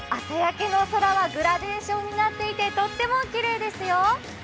朝焼けの空はグラデーションがついてとってもきれいですよ。